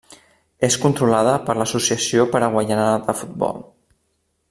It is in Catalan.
És controlada per l'Associació Paraguaiana de Futbol.